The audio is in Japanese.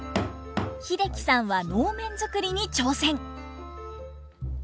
英樹さんは能面作りに挑戦。